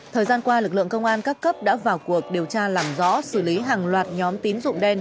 thời gian qua lực lượng công an các cấp đã vào cuộc điều tra làm rõ xử lý hàng loạt nhóm tín dụng đen